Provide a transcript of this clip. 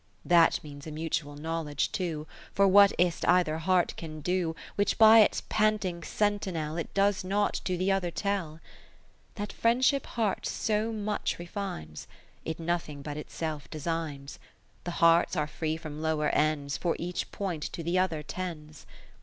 II That means a mutual Knowledge too; For what is 't either heart can do, Which by its panting sentinel It does not to the other tell ? in That Friendship hearts so much refines, It nothing but itself designs : lo The hearts are free from lower ends, For each point to the other tends.